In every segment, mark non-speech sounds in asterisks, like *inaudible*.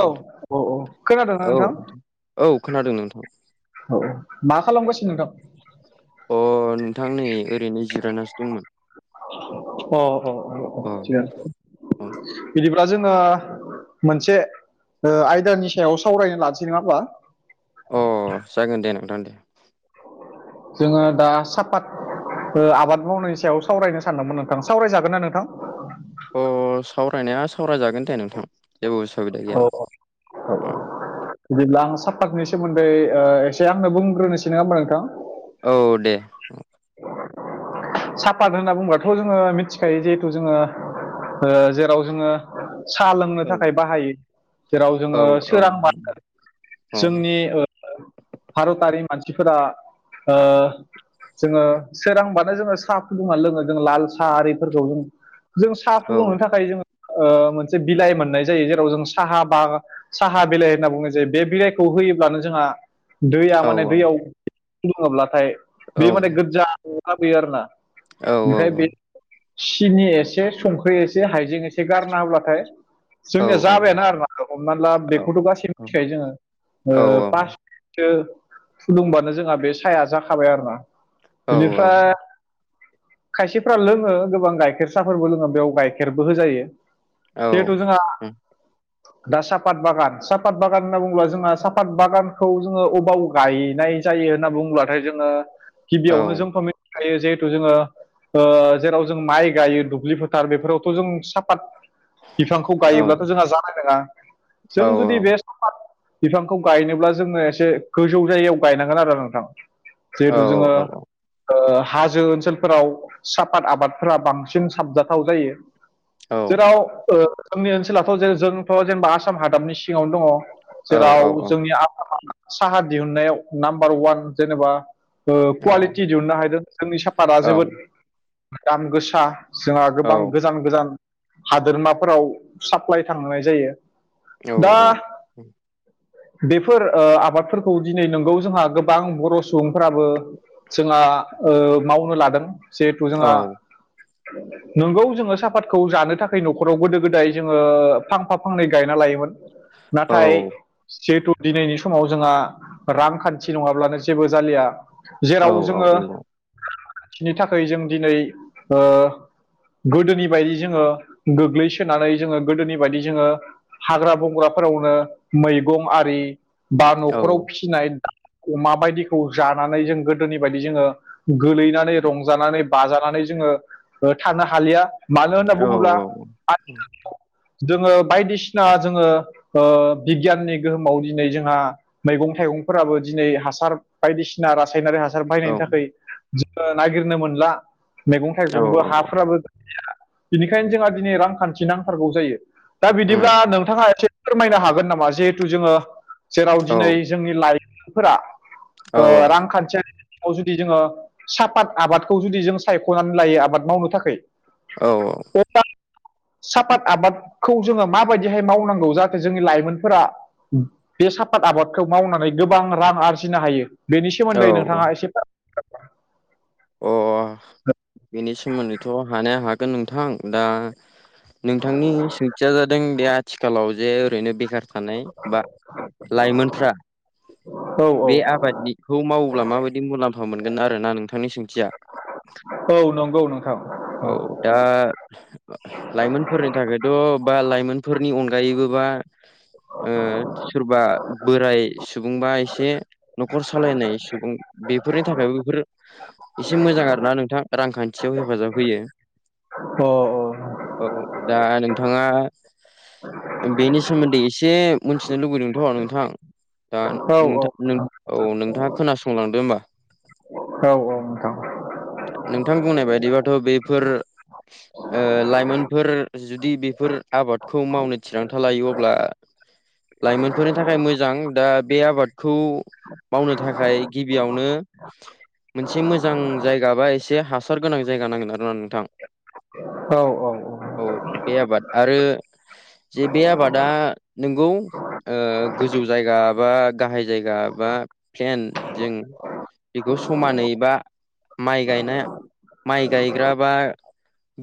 औ नोंथां औ औ खोनादोंना औ नोंथां? औ खोनादों नोंथां औ मा खालामगासिनो नोंथां अ नोंथां नै ओरैनो जिरायनासो दंमोन अ अ अ अ थिकानो अ बिदिब्ला जोंडो मोनसे ओ आयदानि सायाव सावरायनो लासै नङा होमा अ जागोन दे नोंथां दे। जोङो दा सापाद आबाद मावनायनि सायाव सावरायनो सानदोंमोन नोंथां सावरायजागोन ना नोंथां? अ सावरायनाया सावरायजागोन दे नोंथां जेबो उसुबिदा औ गैया औ बिदिब्ला आं साफातनि सोमोन्दै ओ एसे आंनो बुंग्रोनोसै नङा होनबा नोंथां? औ दे साफाद होनना बुंबाथ' जोङो मिथिखायो जिहेथु जोङो ओ जेराव जोङो साहा लोंनो औ थाखाय बाहायो जेराव औ जोङो औ सोरांबानो औ जोंनि भारतारि मानसिफोरा ओ जोङो सोरां बा जोङो साहा फुदुंनानै लोङो जों लाल साह आरिफोरखौ जों जों साहा औ फुदुंनो थाखाय जोङो ओ मोनसे बिलाइ मोननाय जायो जेराव जों साहा बागान साहा बिलाइ होनना बुङो जे बे बिलाइखौ होयोब्लानो जोंहा दैया औ माने दैयाव फुदुंङोब्लाथाय औ बे माने गोजा न लाबोयो आरो ना औ औ ओमफ्राय औ बे सिनि एसे संख्रि एसे हाइजें एसे गारना होब्लाथाय औ जोंनिया औ जाबायानो आरो मा हमनानै ला बेखौथ' गासैबो मिथिखायो जोङो औ पास औ फुदुंबानो जोंहा बे साया जाखाबाय आरोना बिनिफ्राय *inaudible* खायसेफ्रा लोङो गोबां गाइखेर साहफोरबो लोङो बेयाव गाइखेरबो होजायो औ जिहेथु जोंहा दा साफात बागान साफता बागान होनना बुङोब्ला जोंहा साफात बागानखौ जोङो अबाव गायनाय जायो होनना बुङोब्लाथाय जोङो गिबियावनो जोंथ' मिथिखायो जिहेथु जोङो ओ जेराव जों माइ गायो दुब्लि फोथार बेफोरावथ' जों साफात बिफांखौ गायोब्लाथ' जोंहा जानाय नङा जों जुदि बेस्ट सापाथ बिफांखौ गायनोब्ला जोङो एसे गोजौ जायगायाव गायनांगोन आरो नोंथां जिहेथु जोङो हाजो ओनसोलफोराव साफाद आबादफोरा बांसिन साबजाथाव जायो जेराव ओ जोंनि ओनसोलावथ' जेरै जोंथ' जेनेबा आसाम हादाबनि सिङावनो दङ जेराव जोंनि आसामा साहा दिहुननायाव नाम्बार वान जेनेबा कुवालिटि दिहुननो हादों जोंनि साफाता जोबोद दाम गोसा जोंहा गोबां गोजान गोजान हादोरमाफोराव साप्लाइ थांनाय जायो दा औ औ बेफोर ओ आबादफोरखौ दिनै नंगौ जोंहा गोबां बर' सुबुंफ्राबो जोंहा ओ मावनो लादों जिहेथु जोंहा औ नोंगौ जोङो साफातखौ जानो थाखाय न'खराव गोदो गोदाय जोङो फांफा फांनै गायना लायोमोन औ नाथाय जिहेथु दिनैनि समाव जोंहा रांखान्थि नङाब्लानो जेबो जालिया औ जेराव औ नंगौ बिनि थाखाय जों दिनै गोदोनि बायदि जोङो गोग्लैसोनानै जोङो गोदोनि बायदि जोङो हाग्रा बंग्राफोरावनो मैगं आरि बा औ न'खराव फिसिनाय अमा बायदिखौ जानानै जों गोदोनि बेफोरबादि जोङो गोलैनानै रंजानानै बाजानानै जोङो थानो हालिया मानो होनना औ बुङोब्ला *inaudible* जोङो बायदिसिना जोङो बिगियाननि गोहोमाव दिनै जोंहा मैगं थाइगंफोराबो दिनै हासार बायदिसिना रासायनारि हासार औ बायनायनि थाखाय जोङो नागिरनो मोनला मैगं औ थाइगंबो औ हाफोराबो बिनिखायनो जोंहा दिनै रांखान्थि नांथारगौ जायो दा उम बिदिब्ला नोंथाङा एसे फोरमायनो हागोन नामा जिहेथु जोङो जेराव औ दिनै जोंनि लाइमोनफोरा औ ओ रांखान्थियारि जुदि जोङो सापात आबादखौ जुदि जों सायख'नानै लायो आबाद मावनो थाखै औ औ सापाद आबादखौ जोङो माबायदिहाय मावनांगौ जाहाथे जोंनि लाइमोनफोरा बे सापाद आबादखौ मावनानै गोबां रां आरजिनो हायो। बेनि सोमोन्दै औ नोंथाङा एसे *unintelligible* अ बेनि सोमोन्दैथ' हानाया हागोन नोंथां दा नोंथांनि सोंथिया जादों बे आथिखालाव जे ओरैनो बेखार थानाय बा लाइमोनफ्रा औ औ बेबादिखौ मावोब्ला माबायदि मुलाम्फा मोनगोन आरो ना नोंथांनि सोंथिया औ नंगौ नोंथां औ दा लाइमोनफोरनि थाखायथ' बा लाइमोनफोरनि अनगायैबोबा ओ सोरबा बोराय सुबुंबा *unintelligible* जे न'खर सालायनाय सुबुं बेफोरनि थाखायबो बेफोर एसे मोजां आरोना नोंथां रांखान्थियाव हेफाजाब होयो अ अ औ दा नोंथाङा बेनि सोमोन्दै एसे मिथिनो लुुबैदोंथ' नोंथां दा औ औ *unintelligible* नोंथां औ नोंथाङा खोनासंलांदो होमबा औ औ नोंथां नोंथां बुंनाय बायदिबाथ' बेफोर लाइमोनफोर जुदि बेफोर आबादखौ मावनो थिरांथा लायो अब्ला लाइमोनफोरनि थाखाय मोजां दा बे आबाद खौ मावनो थाखाय गिबियावनो मोनसे मोजां जायगा बा एसे हासार गोनां जायगा नांगोन आरो ना नोंथां औ औ औ बे आबाद आरो जे बे आबादा नोंगौ ओ गोजौ जायगा बा गाहाय जायगा बा प्लेन जों बेखौ समानैबा माइ गायनाय माइ गायग्रा बा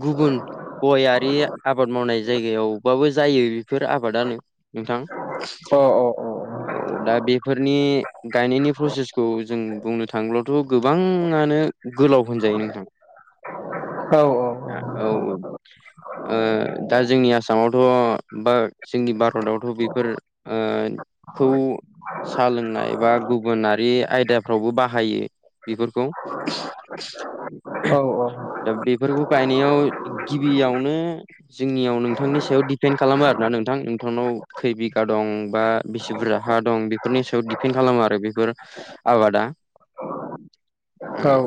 गुबुन गयारि आबाद मावनाय जायगायावबाबो जायो बेफोर आबादानो नोंथां अ औ दा बेफोरनि गायनायनि प्रसेसखौ जों बुंनो थांब्लाथ' गोबांङानो गोलाव होनजायो नोंथां औ औ औ ओ दा जोंनि आसामावथ' बा जोंनि भारतआवथ' बेफोर *unintelligible* सा लोंनाय बा गुबुनारि आयदाफ्रावबो बाहायो। बेफोरखौ औ औ दा बेफोरखौ गायनायाव गिबियावनो जोंनियाव नोंथांनि सायाव दिपेन्ड खालामो आरोना नोंथां नोंथांनाव खै बिगा दं बा बेसे बुरजा हा ओं बेफोरनि सायाव दिपेन्ड खालामो आरो बेफोर आबादा। ओं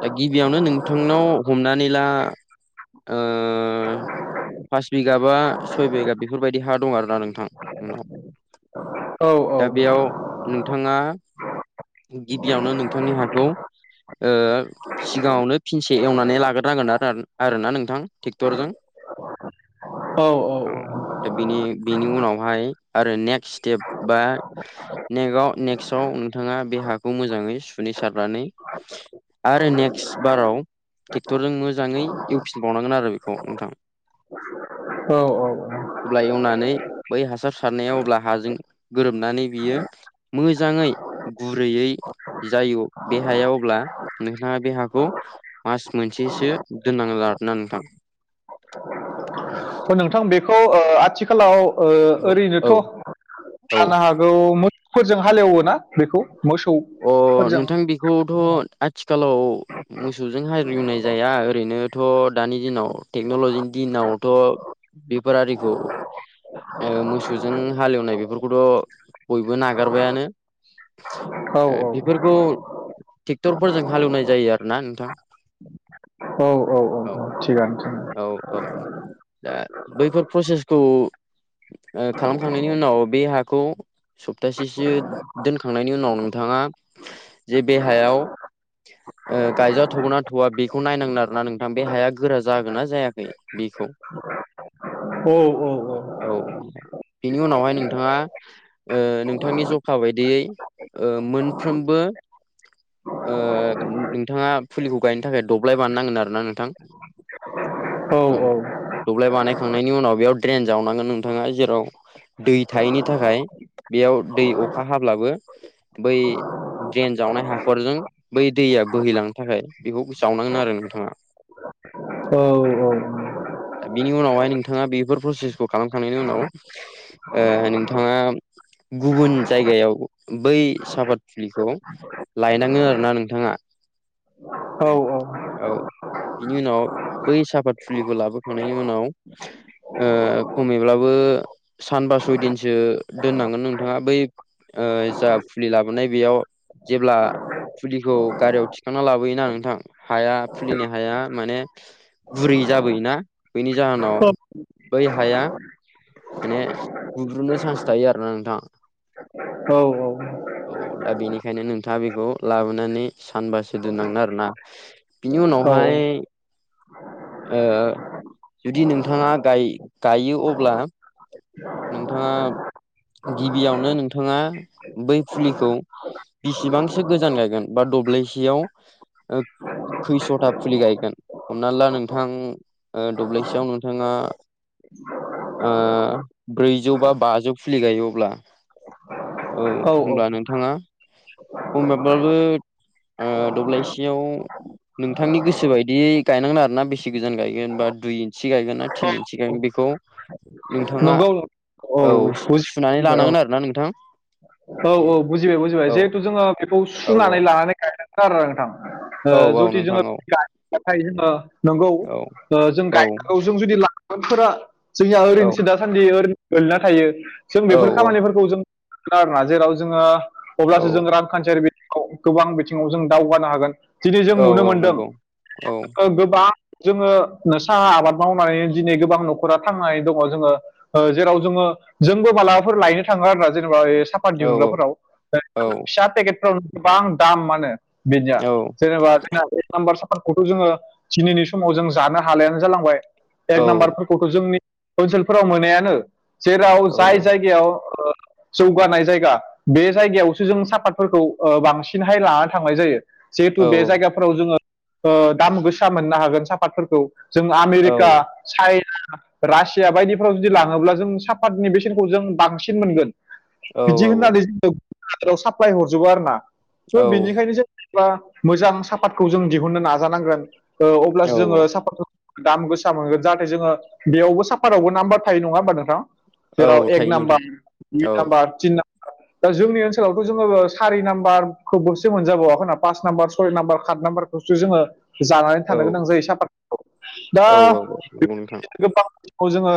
दा गिबियावनो नोंथांनाव हमनानै ला ओ पास बिगा बा सय बिगा बेफोरबायदि हा दं आरो ना नोंथां नोंनाव। दा बेयाव नोंथाङा गिबियावनो नोंथांनि हाखौ ओ सिगाङावनो फिनसे एवनानै लाग्रोनांगोन आरो आरो ना नोंथां ट्रेक्टरजों अ औ दानि बेनि उनावहाय आरो नेक्स्ट स्टेप बा नेगाव- नेक्स्टआव नोंथाङा बे हाखौ मोजाङै सुनै सारनानै आरो नेक्स्ट बाराव ट्रेक्टरजों मोजाङै एवफिनबावनांगोन आरो बेखौ नोंथां। औ औ औ अब्ला एवनानै बै हासार सारनायाव अब्ला हाजों गोरोबनानै बियो मोजाङै गुरैयै जायो बे हाया अब्ला नोंथाङा बे हाखौ मास मोनसेसो दोननानै लादोंना नोंथां। ओ नोंथां बेखौ ओ आथिखालाव ओ औ औ ओरैनोथ' औ जानो हा गौ *unintelligible* फोरजों हालेवोना बेखौ मोसौ अ फोरजों नोंथां बेखौथ' आथिखालाव मोसौजों हाग एवनाय जाया ओरैनोथ' दानि दिनाव टेक्न'लजिनि दिनावथ' बेफारारिखौ मोसौजों हालेवनाय बेफोरखौथ' बयबो नागारबायानो औ ओ बेफोरखौ ट्रेक्टरफोरजों हालवनाय जायो आरो ना नोंथां। औ औ थिगानो थिगानो औ औ औ दा बैफोर प्रसेसखौ ओ खालामखांनायनि उनाव बे हाखौ सप्तासेसो दोनखांनायनि उनाव नों नोंथाङा जे बे हायाव ओ गायजा थगोना थवा बेखौ नायनांगोन आरोना नोंथां बे हाया गोरा जागोन ना जायाखै। बेखौ औ औ औ बिनि उनावहाय नोंथाङा ओ नोंथांनि जखा बायदियै ओ मोनफ्रोमबो ओ नों-नोंथाङा फुलिखौ गायनो थाखाय दब्लाय बानाय नांगोन आरो ना नोंथां। औ ओहो दब्लाय बानायखांनायनि उनाव बेयाव ड्रेन जावनांगोन नोंथाङा जेराव दै थायैनि थाखाय बेयाव दै अखा हाब्लाबो बै ड्रेन जावनाय हाखरजों बै दैया बोहैलांनो थाखाय बेखौ जावनांगोन आरो नोंथाङा। *inaudible* औ औ औ दा बिनि उनावहाय नोंथाङा बेफोर प्रसेसखौ खालामखांनायनि उनाव ओ नोंथाङा गुबुन जायगायाव बै सापाद फुलिखौ लायनांगोन आरोना नोंथाङा। औ बिनि उनाव बै साहाफात फुलिखौ लाबोखांनायनि उनाव ओ खमैब्लाबो सानबा सयदिनसो दोननांगोन नोंथाङा बै ओ जा फुलि लाबोनाय बेयाव जेब्ला फुलिखौ गारियाव थिखांना लाबोयोना नोंथां हाया फुलिनि हाया माने गुरै जाबोयोना बेनि जाहोनाव बै हाया माने बुग्रुनो चान्स थायो आरो ना नोंथां औ औ औ दा बेनिखायनो नोंथाङा बेखौ लाबोनानै सानबासो दोननांगोन आरोना बिनि उनावहाय ओ जुदि नोंथाङा गाय-गायो अब्ला नोंथाङा गिबियावनो नोंथाङा बै फुलिखौ बेसिबांसो गोजान गायगोन बा दब्लायसेयाव ओ खैसथा फुलि गायगोन हमना ला नोंथां ओ दब्ललिसेयाव नोंथाङा ब्रैजौ बा बाजौ खुलि गायो अब्ला औ औ औ होनब्ला नोंथाङा खमाब्लाबो ओ दब्लायसेयाव नोंथांनि गोसो बायदियै गायनांगोन आरोना बेसे गोजान गायगोन बा दुइ इन्सि गायगोन ना थिन इन्सि गायगोन बेखौ *inaudible* नोंथाङा नंगौ औ सु-सुनानै बुजिबाय औ लानांगोन आरोना नोंथां। औ औ बुजिबाय बुजिबाय औ जिहेथु जोङो बेखौ औ औ सुनानै लानानै गायनांगोन आरो नोंथां ओ औ औ जुदि नोंथां जोङो औ गायबाथाय जोङो नंगौ औ ओ जों औ गायनांगौ जों जुदि लागोनफोरा जोंया औ ओरैनोसो दासान्दि ओरैनो गोलैना थायो जों औ बेफोर खामानिफोरखौ जों आरोना जेराव जोङो औ अब्लासो जों रां खान्थियारि बिथिङाव गोबां बिथिङाव जों दावगानो हागोन। दिनै जों औ नुनो औ मोनदों नंगौ औ ओ गोबां जोङो साहा आबाद मावनानै दिनै गोबां न'खरा थांनानै दङ जोङो ओ जेराव जोङो जोंबो मालाबाफोर लायनो थाङो आरोना जेनेबा सा फाद औ दिहुनग्राफोराव औ फिसा टेकेटफोराव गोबां दाम मा होनो बिनिया औ जेनाबा जोंना एक नाम्बार साफानखौथ जोङो दिनैनि समाव जों जानो हालेयानो जालांबाय एक नाम्बारफो रखौ जोंनि ओनसोलफोराव मोनायानो जेराव औ जाय जायगायाव ओ जौगानाय जायगा बे जायगायावसो जों साफातफोरखौ ओ बांसिनहाय लाना थांनाय जायो। जिहेथु औ बे जायगाफोराव जोङो ओ दाम गोसा मोननो हागोन साहाफातफोरखौ जों आमेरिका चाइना रासिया बायदिफ्राव जुदि लाङोब्ला जों साफातनि बेसेनखौ जों बांसिन मोनगोन। औ बिदि होननानै जों हादोराव साप्लाय हरजोबो आरोना थ' औ बेनिखायनो जों बा मोजां सापातखौ जों दिहुननो नाजानांगोन ओ अब्लासो जोङो औ सापातखौ दाम गोसा मोनगोन जाहाथे जोङो बेयावबो साफातआवबो नाम्बार थायो नङा होमबा नोंथां। जेराव औ एक थायो नाम्बार नोंथां दुइ औ नाम्बार तिन नाम्बार दा जोंनि ओनसोलावथ' जोङो सारि नाबारखौ बोरसो मोनजाबावाख ना पास नाम्बार सय नाम्बार सात नाम्बार खौसो जोङो जानानै औ थानो गोनां जायो साफाखौ दा औ औ नंगौ नोंथां बेफोर बायदिनो गोबां खौ जोङो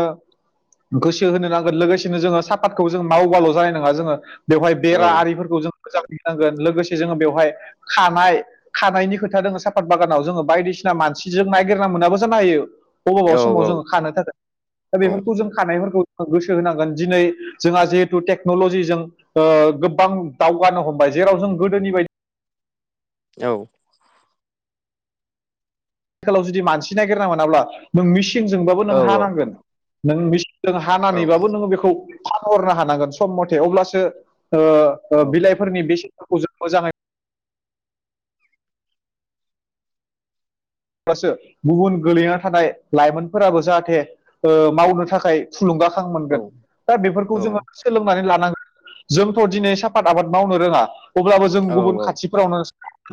गोसो होनो नांगोन लोगोसेनो जोङो साफातखौ जों मावबाल' जानाय नङा जोङो बेवहाय औ बेरा आरिफोरखौ जोङो मोजाङै होनागोन लोगोसे जोङो बेवहाय खानाय खानायनि खोथा दोङो साफात बागानाव जोङो बायदिसिना मानसिजों नायागिरना मोनाबो जानो हायो। अबेबा औ समाव औ जोङो खानो थाखायोन दा औ बेफोरखौ जों खानायफोरखौ ज गोसो होनांगोन दिनै जोंहा जिहेथु टेक्नलजिजों ओ गोबां दावगानो हमबाय जेराव जों गोदोनि बायदि औ आथिखालाव जुदि मानसि नागिरना मोनाब्ला नों मिसिंजोंबाबो नों औ हानांगोन नों मिसि जों हानानैबाबो नोङो बेखौ फानहरनो हानांगोन सम मथे अब्लासो ओ ओ औ बिलाइ फोरनि बेसेनखौ जों मोजाङै गुबुन गोलैना थानाय लाइमोनफोराबो जाहाथे ओ मावनो थाखाय थुलुंगाखां औ मोनगोन दा बेफोरखौ जोङो औ सोलोंनानै लानांगोन जोंथ' दिनै साफाद आबाद मावनो रोङा अब्लाबो जों औ गुबुन खाथि फोरावनो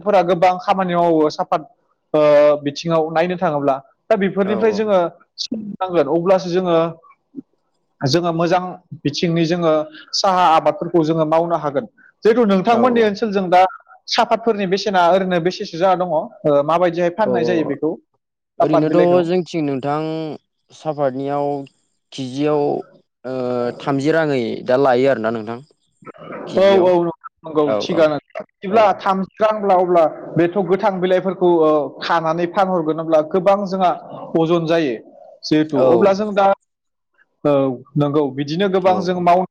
फोर गोबां खामानि मावो साफात ओ बिथिङाव नायनो थाङोब्ला दा औ बेफोरनिफ्राय जोङो सलिनांगोन अब्लासो जोङो जोङो मोजां बिथिंनि जोङो साहा आबादफोरखौ जोङो मावनो हागोन जिहेथु औ नोंथांमोननि ओनसोलजों दा साफातफोरनि बेसेना ओरैनो बेसेसो जा दङ माबायदिहाय फाननाय जायो औ बेखौ सापात ओरैनोथ' बिलाइखौ जोंथिं नोंथां सापातनियाव किजियाव ओ थामजि राङै दा लायो आरोना नोंथां औ केजियाव -औ नंगौ औ औ थिगानो औ बिदिब्ला थाम गांब्ला अब्ला बेथ' गोथां बिलाइफोरखौ खानानै फानहरगोन अब्ला गोबां जोंहा अजन जायो जिहेथु अब्ला जों दा औ नंगौ बिदिनो गोबां औ औ जों माव